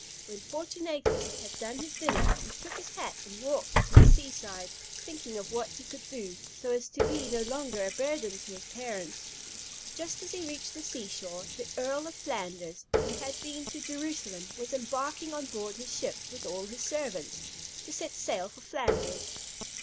When Fortunatus had done his dinner, he took his hat and walked to the sea side, thinking of what he could do, so as to be no longer a burden to his parents. Just as he reached the sea shore, the Earl of Flanders, who had been to Jerusalem, was embarking on board his ship with all his servants, to set sail for Flanders.